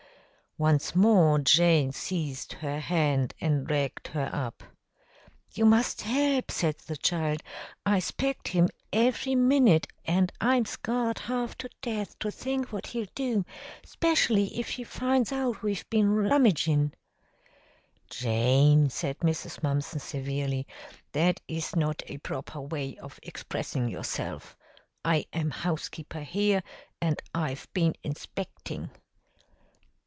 Once more Jane seized her hand and dragged her up. "You must help," said the child. "I 'spect him every minnit and I'm scart half to death to think what he'll do, 'specially if he finds out we've been rummagin'." "Jane," said Mrs. Mumpson severely, "that is not a proper way of expressing yourself. I am housekeeper here, and I've been inspecting."